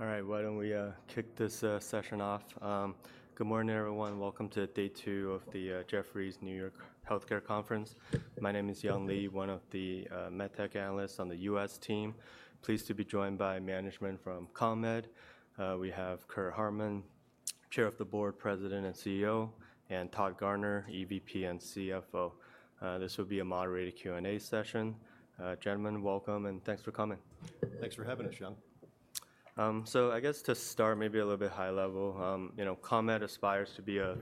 All right, why don't we kick this session off? Good morning, everyone. Welcome to day two of the Jefferies New York Healthcare Conference. My name is Young Li, one of the medtech analysts on the U.S. team. Pleased to be joined by management from CONMED. We have Curt Hartman, Chair of the Board, President, and CEO, and Todd Garner, EVP and CFO. This will be a moderated Q&A session. Gentlemen, welcome, and thanks for coming. Thanks for having us, Young. I guess to start maybe a little bit high level, you know, CONMED aspires to be a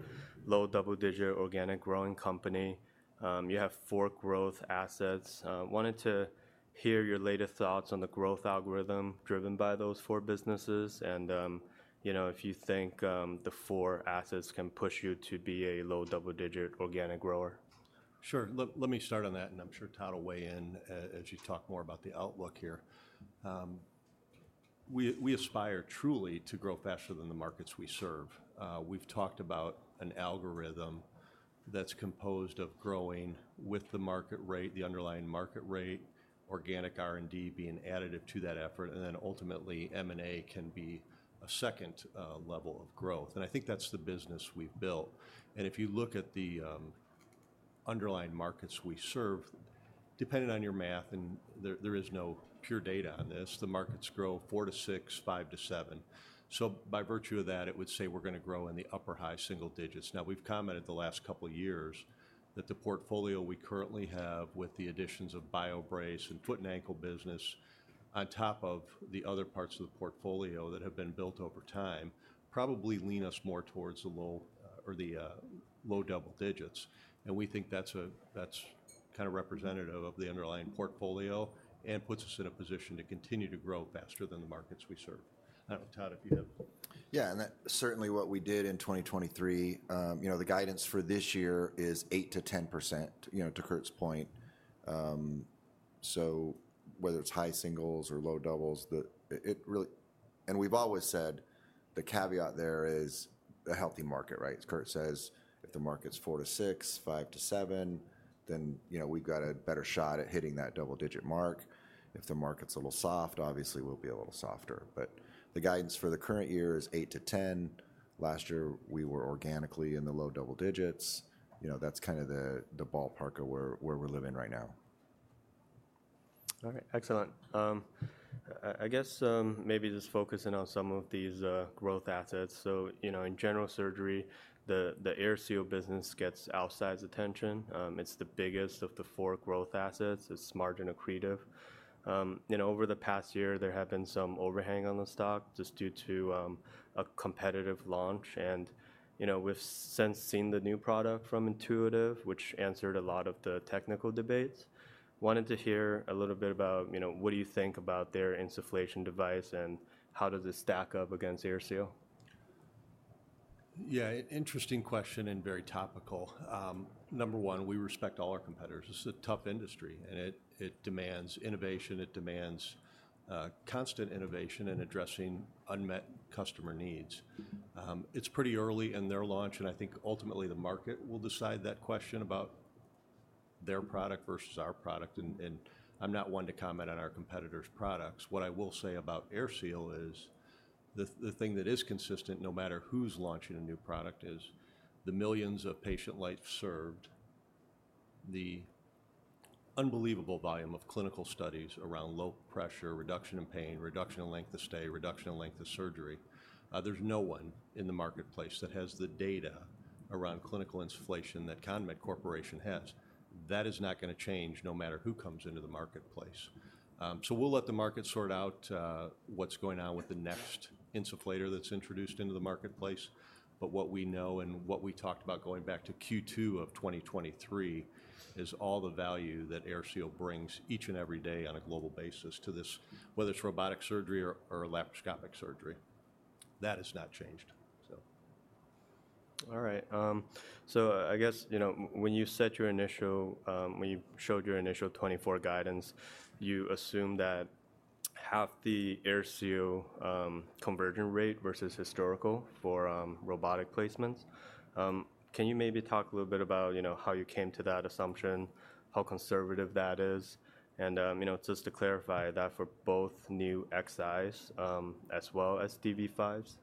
low double-digit organic growing company. You have four growth assets. Wanted to hear your latest thoughts on the growth algorithm driven by those four businesses, and, you know, if you think, the four assets can push you to be a low double-digit organic grower. Sure. Let me start on that, and I'm sure Todd will weigh in as you talk more about the outlook here. We aspire truly to grow faster than the markets we serve. We've talked about an algorithm that's composed of growing with the market rate, the underlying market rate, organic R&D being additive to that effort, and then ultimately, M&A can be a second level of growth, and I think that's the business we've built. If you look at the underlying markets we serve, depending on your math, and there is no pure data on this, the markets grow 4-6, 5-7. So by virtue of that, it would say we're gonna grow in the upper high single digits. Now, we've commented the last couple years that the portfolio we currently have, with the additions of BioBrace and foot and ankle business on top of the other parts of the portfolio that have been built over time, probably lean us more towards the low double digits. We think that's kind of representative of the underlying portfolio and puts us in a position to continue to grow faster than the markets we serve. I don't know, Todd, if you have- Yeah, and that's certainly what we did in 2023. You know, the guidance for this year is 8%-10%, you know, to Curt's point. So whether it's high singles or low doubles, it really... And we've always said the caveat there is a healthy market, right? As Curt says, if the market's 4%-6%, 5%-7%, then, you know, we've got a better shot at hitting that double-digit mark. If the market's a little soft, obviously we'll be a little softer. But the guidance for the current year is 8%-10%. Last year, we were organically in the low double digits. You know, that's kind of the ballpark of where we're living right now. All right. Excellent. I guess maybe just focusing on some of these growth assets. So, you know, in general surgery, the AirSeal business gets outsized attention. It's the biggest of the four growth assets. It's margin accretive. You know, over the past year, there have been some overhang on the stock just due to a competitive launch. You know, we've since seen the new product from Intuitive, which answered a lot of the technical debates. Wanted to hear a little bit about, you know, what do you think about their insufflation device, and how does it stack up against AirSeal? Yeah, interesting question, and very topical. Number one, we respect all our competitors. This is a tough industry, and it, it demands innovation. It demands constant innovation in addressing unmet customer needs. It's pretty early in their launch, and I think ultimately the market will decide that question about their product versus our product, and, and I'm not one to comment on our competitors' products. What I will say about AirSeal is the, the thing that is consistent, no matter who's launching a new product, is the millions of patient lives served, the unbelievable volume of clinical studies around low pressure, reduction in pain, reduction in length of stay, reduction in length of surgery. There's no one in the marketplace that has the data around clinical insufflation that CONMED Corporation has. That is not gonna change no matter who comes into the marketplace. We'll let the market sort out what's going on with the next insufflator that's introduced into the marketplace. But what we know and what we talked about going back to Q2 of 2023 is all the value that AirSeal brings each and every day on a global basis to this, whether it's robotic surgery or, or laparoscopic surgery. That has not changed, so... All right, so I guess, you know, when you showed your initial 24 guidance, you assumed that half the AirSeal conversion rate versus historical for robotic placements. Can you maybe talk a little bit about, you know, how you came to that assumption, how conservative that is, and, you know, just to clarify, that for both new Xis as well as DV5s?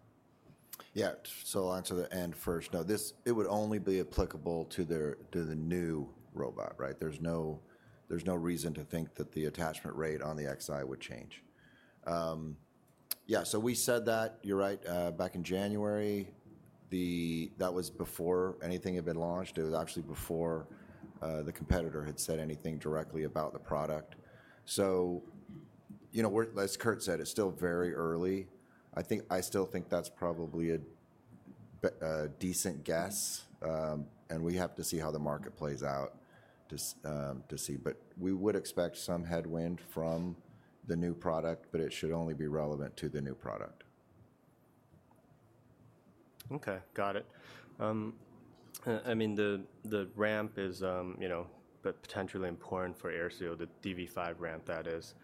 Yeah, so I'll answer the end first. No, this, it would only be applicable to their- to the new robot, right? There's no, there's no reason to think that the attachment rate on the Xi would change. Yeah, so we said that, you're right, back in January. That was before anything had been launched. It was actually before the competitor had said anything directly about the product. So, you know, we're, as Curt said, it's still very early. I think, I still think that's probably a decent guess, and we have to see how the market plays out to see. But we would expect some headwind from the new product, but it should only be relevant to the new product. Okay, got it. I mean, the ramp is, you know, but potentially important for AirSeal, the DV5 ramp, that is.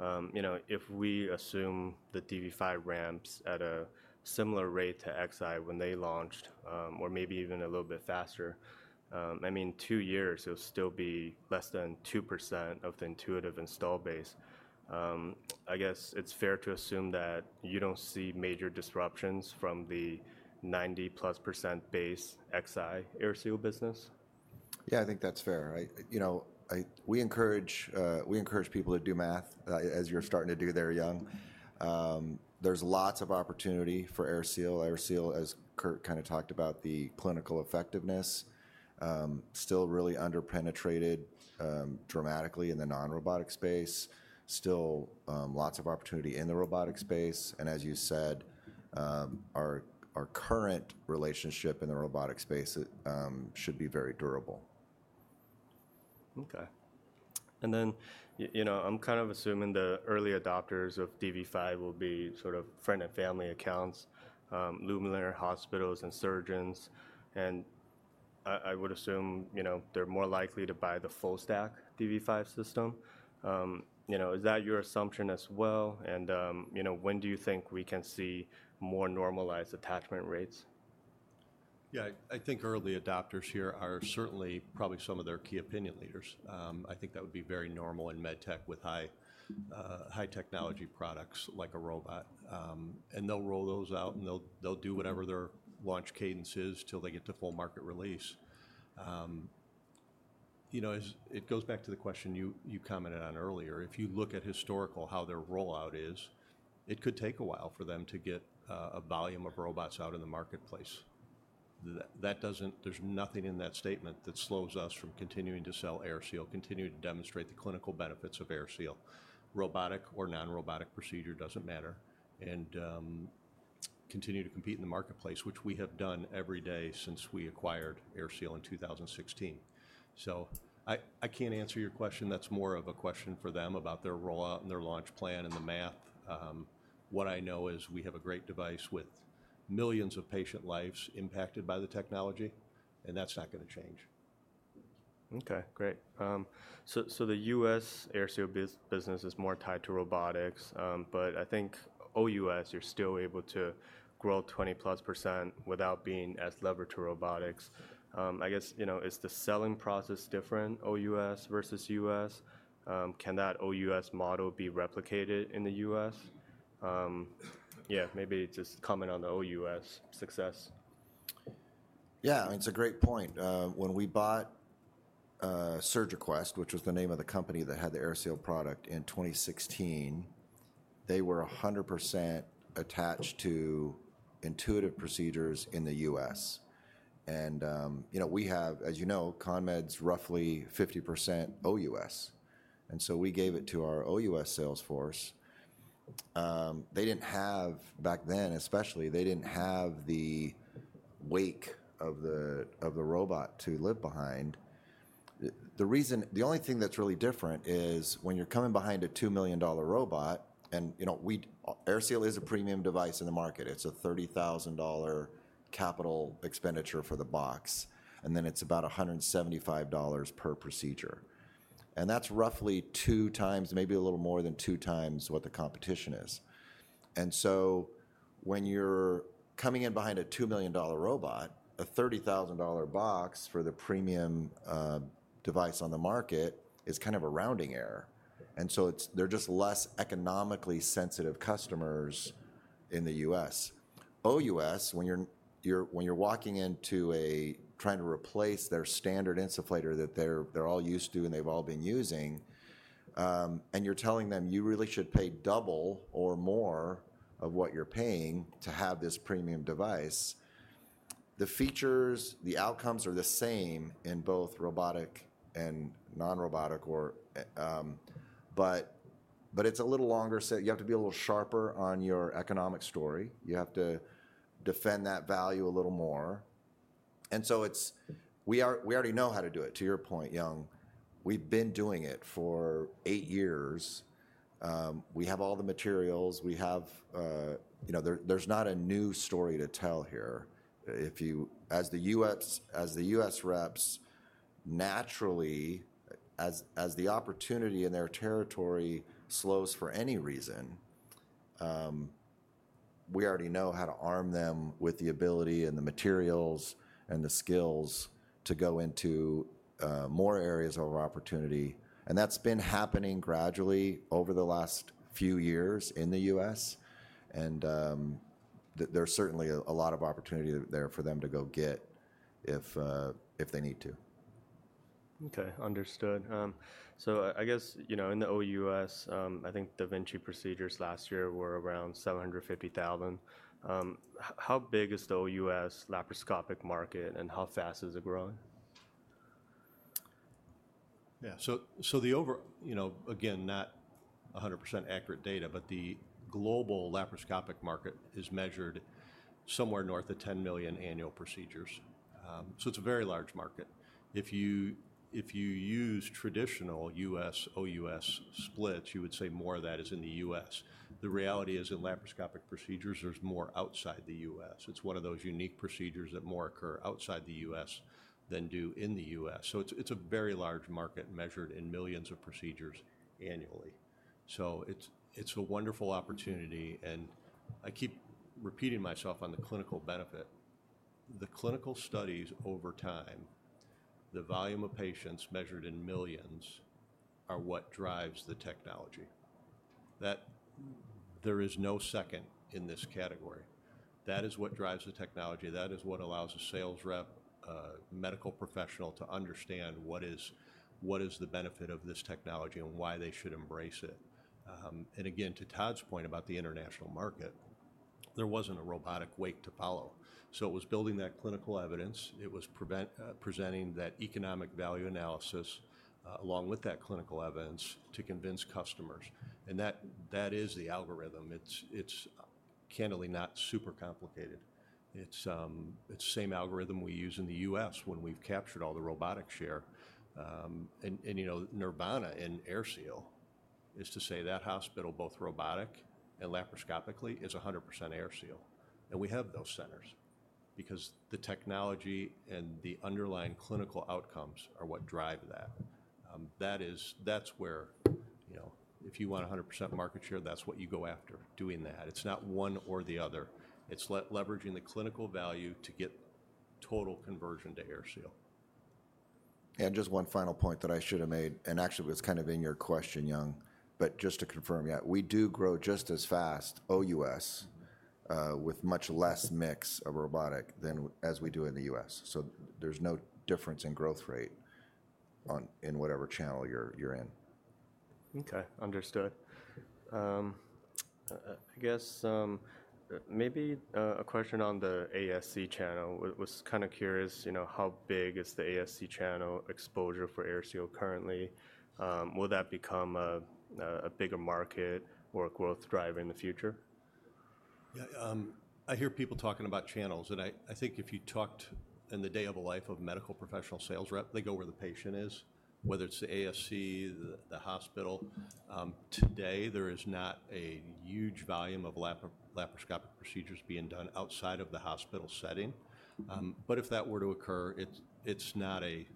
You know, if we assume the DV5 ramps at a similar rate to Xi when they launched, or maybe even a little bit faster, I mean, two years, it'll still be less than 2% of the Intuitive install base. I guess it's fair to assume that you don't see major disruptions from the 90%+ base Xi AirSeal business? Yeah, I think that's fair. I, you know, we encourage people to do math, as you're starting to do there, Young. There's lots of opportunity for AirSeal. AirSeal, as Curt kind of talked about, the clinical effectiveness, still really under-penetrated, dramatically in the non-robotic space. Still, lots of opportunity in the robotic space, and as you said, our current relationship in the robotic space, should be very durable. Okay. And then you know, I'm kind of assuming the early adopters of DV5 will be sort of friend and family accounts, luminary hospitals and surgeons, and I, I would assume, you know, they're more likely to buy the full stack DV5 system. You know, when do you think we can see more normalized attachment rates? Yeah, I think early adopters here are certainly probably some of their key opinion leaders. I think that would be very normal in medtech with high, high technology products like a robot. And they'll roll those out, and they'll do whatever their launch cadence is till they get to full market release. You know, as it goes back to the question you commented on earlier, if you look at historical, how their rollout is, it could take a while for them to get a volume of robots out in the marketplace. That doesn't-- There's nothing in that statement that slows us from continuing to sell AirSeal, continuing to demonstrate the clinical benefits of AirSeal, robotic or non-robotic procedure, doesn't matter, and continue to compete in the marketplace, which we have done every day since we acquired AirSeal in 2016. So I, I can't answer your question. That's more of a question for them about their rollout, and their launch plan, and the math. What I know is we have a great device with millions of patient lives impacted by the technology, and that's not gonna change. Okay, great. So the US AirSeal business is more tied to robotics, but I think OUS, you're still able to grow 20%+ without being as levered to robotics. I guess, you know, is the selling process different, OUS versus US? Can that OUS model be replicated in the US? Yeah, maybe just comment on the OUS success. Yeah, it's a great point. When we bought SurgiQuest, which was the name of the company that had the AirSeal product in 2016, they were 100% attached to Intuitive procedures in the U.S. And, you know, we have, as you know, CONMED's roughly 50% OUS, and so we gave it to our OUS sales force. They didn't have, back then, especially, they didn't have the wake of the robot to live behind. The only thing that's really different is when you're coming behind a $2 million robot, and, you know, AirSeal is a premium device in the market. It's a $30,000 capital expenditure for the box, and then it's about $175 per procedure, and that's roughly 2x, maybe a little more than 2x, what the competition is. And so when you're coming in behind a $2 million robot, a $30,000 box for the premium device on the market is kind of a rounding error, and so it's they are just less economically sensitive customers in the US. OUS, when you're when you're walking into trying to replace their standard insufflator that they're they are all used to and they've all been using, and you're telling them, "You really should pay double or more of what you're paying to have this premium device," the features, the outcomes are the same in both robotic and non-robotic. But it's a little longer you have to be a little sharper on your economic story. You have to defend that value a little more, and so it's we already know how to do it, to your point, Young. We've been doing it for eight years. We have all the materials. You know, there's not a new story to tell here. As the U.S. reps, naturally, as the opportunity in their territory slows for any reason, we already know how to arm them with the ability and the materials and the skills to go into more areas of opportunity, and that's been happening gradually over the last few years in the U.S. There's certainly a lot of opportunity there for them to go get if they need to. Okay, understood. So I guess, you know, in the OUS, I think da Vinci procedures last year were around 750,000. How big is the OUS laparoscopic market, and how fast is it growing? Yeah. So the over... You know, again, not 100% accurate data, but the global laparoscopic market is measured somewhere north of 10 million annual procedures. So it's a very large market. If you use traditional U.S., OUS splits, you would say more of that is in the U.S. The reality is, in laparoscopic procedures, there's more outside the U.S. It's one of those unique procedures that more occur outside the U.S. than do in the U.S. So it's a very large market, measured in millions of procedures annually. So it's a wonderful opportunity, and I keep repeating myself on the clinical benefit. The clinical studies over time, the volume of patients measured in millions, are what drives the technology.... that there is no second in this category. That is what drives the technology, that is what allows a sales rep, medical professional to understand what the benefit of this technology is and why they should embrace it. And again, to Todd's point about the international market, there wasn't a robotic wake to follow. So it was building that clinical evidence, it was presenting that economic value analysis, along with that clinical evidence to convince customers, and that is the algorithm. It's candidly not super complicated. It's the same algorithm we use in the U.S. when we've captured all the robotic share. And, you know, nirvana in AirSeal is to say that hospital, both robotic and laparoscopically, is 100% AirSeal, and we have those centers because the technology and the underlying clinical outcomes are what drive that. That's where, you know, if you want 100% market share, that's what you go after, doing that. It's not one or the other. It's leveraging the clinical value to get total conversion to AirSeal. Just one final point that I should have made, and actually it was kind of in your question, Young, but just to confirm, yeah, we do grow just as fast OUS, with much less mix of robotic than as we do in the U.S. So there's no difference in growth rate in whatever channel you're in. Okay, understood. I guess maybe a question on the ASC channel. Was kinda curious, you know, how big is the ASC channel exposure for AirSeal currently? Will that become a bigger market or a growth driver in the future? Yeah, I hear people talking about channels, and I think if you talked in the day of a life of a medical professional sales rep, they go where the patient is, whether it's the ASC, the hospital. Today, there is not a huge volume of laparoscopic procedures being done outside of the hospital setting. But if that were to occur, it's not a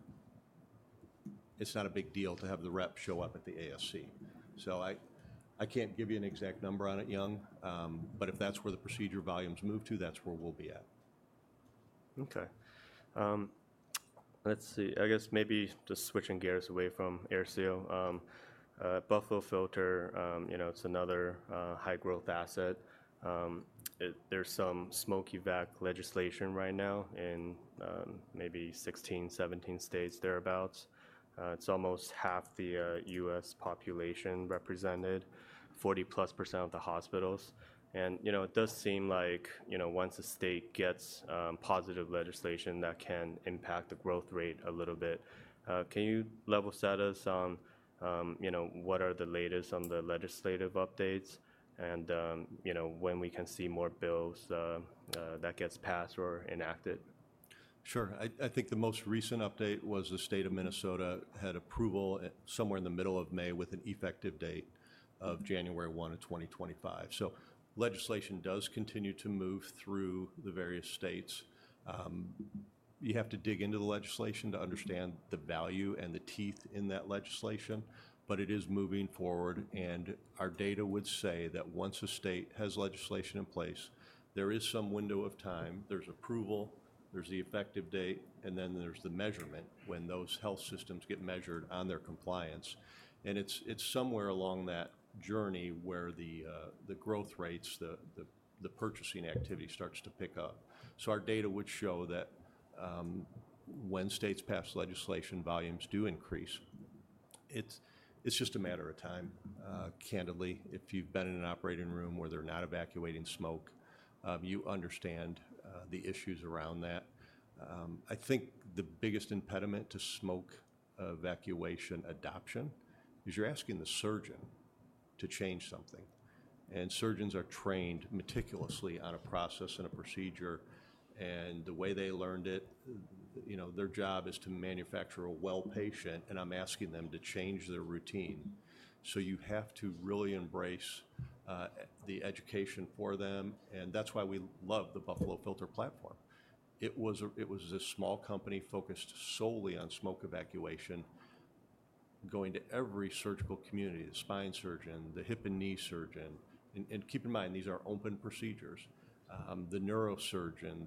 big deal to have the rep show up at the ASC. So I can't give you an exact number on it, Young, but if that's where the procedure volumes move to, that's where we'll be at. Okay. Let's see. I guess maybe just switching gears away from AirSeal. Buffalo Filter, you know, it's another high growth asset. It, there's some smoke evac legislation right now in maybe 16, 17 states, thereabouts. It's almost half the U.S. population represented, 40+% of the hospitals. And, you know, it does seem like, you know, once a state gets positive legislation, that can impact the growth rate a little bit. Can you level set us on, you know, what are the latest on the legislative updates? And, you know, when we can see more bills that gets passed or enacted. Sure. I think the most recent update was the state of Minnesota had approval at somewhere in the middle of May, with an effective date of January 1, 2025. So legislation does continue to move through the various states. You have to dig into the legislation to understand the value and the teeth in that legislation, but it is moving forward, and our data would say that once a state has legislation in place, there is some window of time, there's approval, there's the effective date, and then there's the measurement, when those health systems get measured on their compliance. And it's somewhere along that journey where the growth rates, the purchasing activity starts to pick up. So our data would show that, when states pass legislation, volumes do increase. It's just a matter of time. Candidly, if you've been in an operating room where they're not evacuating smoke, you understand the issues around that. I think the biggest impediment to smoke evacuation adoption is you're asking the surgeon to change something, and surgeons are trained meticulously on a process and a procedure, and the way they learned it, you know, their job is to manufacture a well patient, and I'm asking them to change their routine. So you have to really embrace the education for them, and that's why we love the Buffalo Filter platform. It was a small company focused solely on smoke evacuation, going to every surgical community, the spine surgeon, the hip and knee surgeon, and keep in mind, these are open procedures. The neurosurgeon,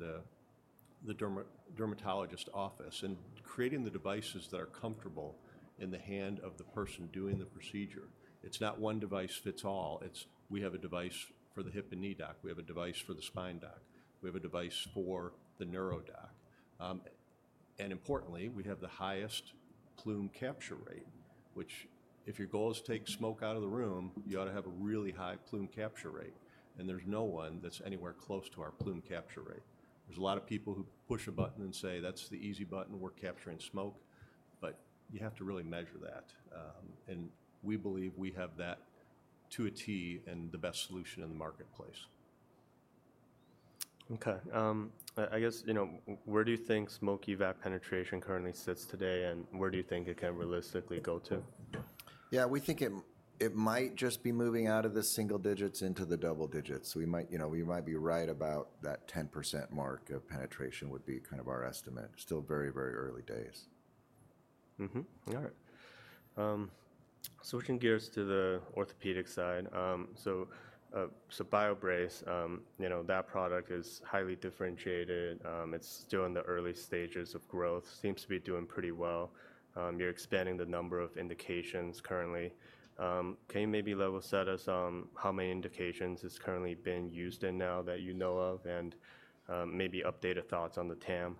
the dermatologist office, and creating the devices that are comfortable in the hand of the person doing the procedure. It's not one device fits all, it's we have a device for the hip and knee doc, we have a device for the spine doc, we have a device for the neuro doc. Importantly, we have the highest plume capture rate, which if your goal is to take smoke out of the room, you ought to have a really high plume capture rate, and there's no one that's anywhere close to our plume capture rate. There's a lot of people who push a button and say, "That's the easy button. We're capturing smoke." But you have to really measure that, and we believe we have that to a T, and the best solution in the marketplace. Okay, I guess, you know, where do you think smoke evac penetration currently sits today, and where do you think it can realistically go to? Yeah, we think it might just be moving out of the single digits into the double digits. We might, you know, we might be right about that 10% mark of penetration would be kind of our estimate. Still very, very early days. All right. Switching gears to the orthopedic side. So, BioBrace, you know, that product is highly differentiated. It's still in the early stages of growth, seems to be doing pretty well. You're expanding the number of indications currently. Can you maybe level set us on how many indications it's currently being used in now that you know of, and, maybe update of thoughts on the TAM?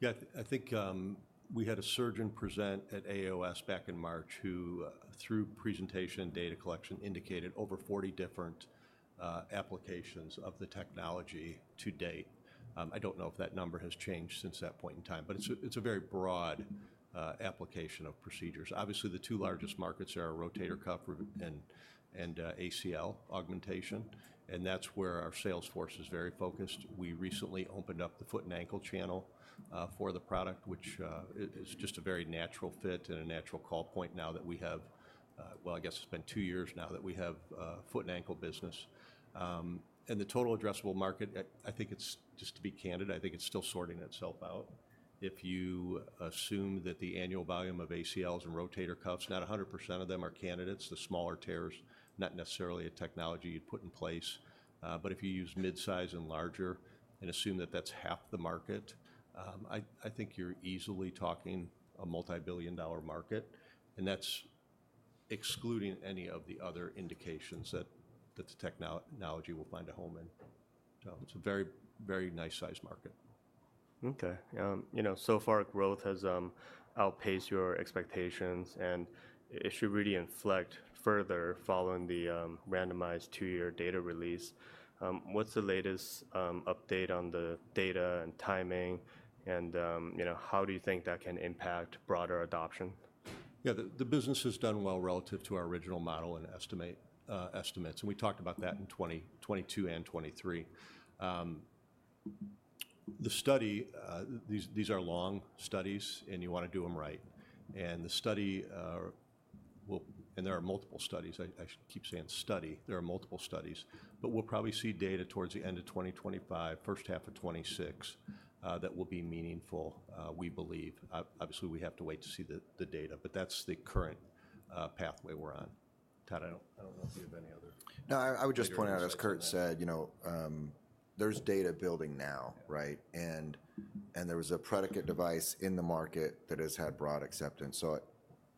Yeah, I think, we had a surgeon present at AAOS back in March, who, through presentation and data collection, indicated over 40 different applications of the technology to date. I don't know if that number has changed since that point in time, but it's a, it's a very broad application of procedures. Obviously, the two largest markets are our rotator cuff and ACL augmentation, and that's where our sales force is very focused. We recently opened up the foot and ankle channel for the product, which it is just a very natural fit and a natural call point now that we have, well, I guess it's been two years now that we have a foot and ankle business. And the total addressable market, I think it's, just to be candid, I think it's still sorting itself out. If you assume that the annual volume of ACLs and rotator cuffs, not 100% of them are candidates, the smaller tears, not necessarily a technology you'd put in place. But if you use mid-size and larger and assume that that's half the market, I think you're easily talking a multi-billion dollar market, and that's excluding any of the other indications that the technology will find a home in. So it's a very, very nice size market. Okay. You know, so far growth has outpaced your expectations, and it should really inflect further following the randomized two-year data release. What's the latest update on the data and timing and, you know, how do you think that can impact broader adoption? Yeah, the business has done well relative to our original model and estimate, estimates, and we talked about that in 2022 and 2023. The study, these are long studies, and you wanna do them right. And the study will—and there are multiple studies. I keep saying study. There are multiple studies, but we'll probably see data towards the end of 2025, first half of 2026, that will be meaningful, we believe. Obviously, we have to wait to see the data, but that's the current pathway we're on. Todd, I don't know if you have any other- No, I would just point out, as Curt said, you know, there's data building now, right? Yeah. There was a predicate device in the market that has had broad acceptance.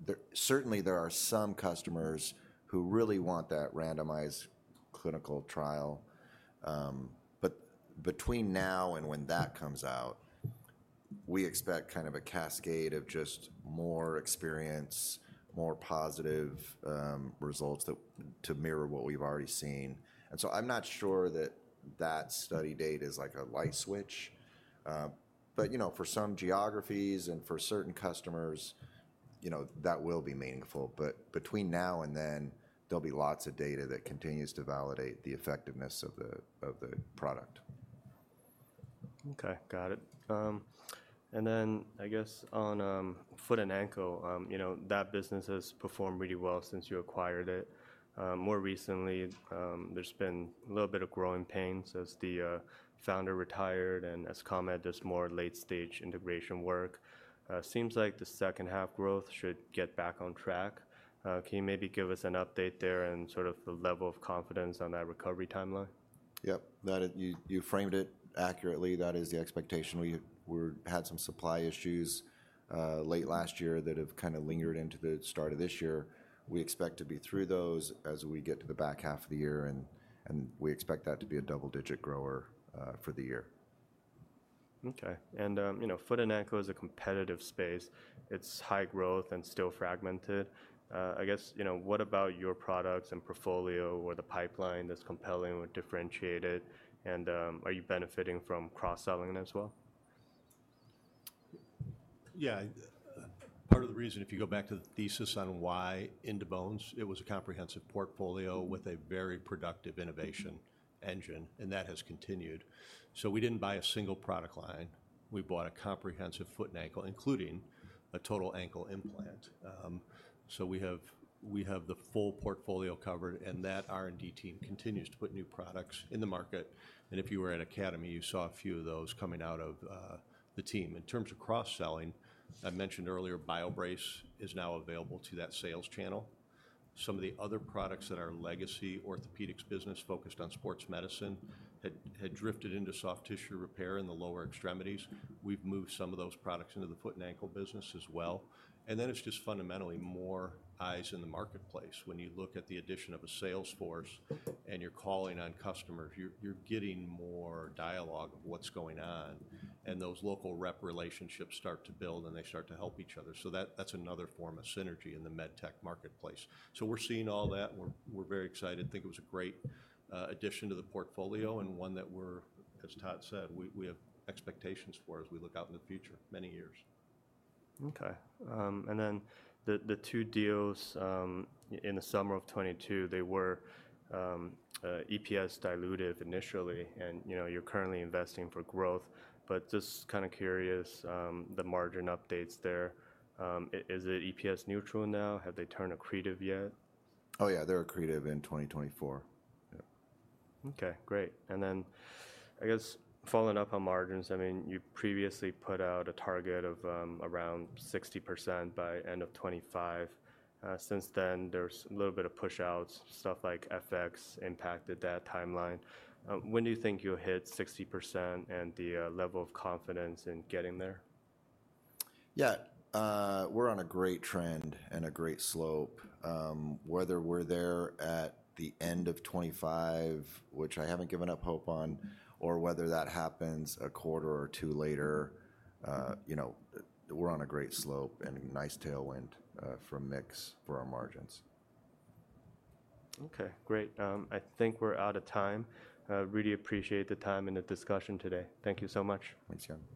So there certainly are some customers who really want that randomized clinical trial. But between now and when that comes out, we expect kind of a cascade of just more experience, more positive results that to mirror what we've already seen. And so I'm not sure that that study date is like a light switch. But you know, for some geographies and for certain customers, you know, that will be meaningful. But between now and then, there'll be lots of data that continues to validate the effectiveness of the product. Okay, got it. And then I guess on foot and ankle, you know, that business has performed really well since you acquired it. More recently, there's been a little bit of growing pains as the founder retired, and as CONMED, there's more late-stage integration work. Seems like the second half growth should get back on track. Can you maybe give us an update there and sort of the level of confidence on that recovery timeline? Yep, you framed it accurately. That is the expectation. We've had some supply issues late last year that have kinda lingered into the start of this year. We expect to be through those as we get to the back half of the year, and we expect that to be a double-digit grower for the year. Okay, and, you know, foot and ankle is a competitive space. It's high growth and still fragmented. I guess, you know, what about your products and portfolio or the pipeline that's compelling or differentiated, and, are you benefiting from cross-selling as well? Yeah. Part of the reason, if you go back to the thesis on why In2Bones, it was a comprehensive portfolio with a very productive innovation engine, and that has continued. So we didn't buy a single product line. We bought a comprehensive Foot & Ankle, including a total ankle implant. So we have the full portfolio covered, and that R&D team continues to put new products in the market. And if you were at AAOS, you saw a few of those coming out of the team. In terms of cross-selling, I mentioned earlier, BioBrace is now available to that sales channel. Some of the other products that are legacy orthopedics business focused on sports medicine had drifted into soft tissue repair in the lower extremities. We've moved some of those products into the foot and ankle business as well, and then it's just fundamentally more eyes in the marketplace. When you look at the addition of a sales force and you're calling on customers, you're getting more dialogue of what's going on, and those local rep relationships start to build, and they start to help each other. So that's another form of synergy in the medtech marketplace. So we're seeing all that, and we're very excited. I think it was a great addition to the portfolio and one that we're, as Todd said, we have expectations for as we look out into the future, many years. Okay, and then the two deals in the summer of 2022, they were EPS dilutive initially, and, you know, you're currently investing for growth. But just kinda curious, the margin updates there, is it EPS neutral now? Have they turned accretive yet? Oh, yeah, they're accretive in 2024. Yeah. Okay, great. And then I guess following up on margins, I mean, you previously put out a target of around 60% by end of 2025. Since then, there's a little bit of push outs, stuff like FX impacted that timeline. When do you think you'll hit 60% and the level of confidence in getting there? Yeah, we're on a great trend and a great slope. Whether we're there at the end of 2025, which I haven't given up hope on, or whether that happens a quarter or two later, you know, we're on a great slope and a nice tailwind, from mix for our margins. Okay, great. I think we're out of time. Really appreciate the time and the discussion today. Thank you so much. Thanks, Young.